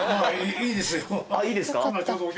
あっいいですか？